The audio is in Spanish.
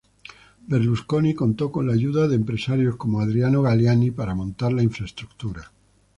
Berlusconi contó con la ayuda de empresarios como Adriano Galliani para montar la infraestructura.